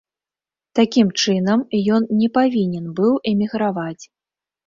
Такім чынам, ён не павінен быў эміграваць.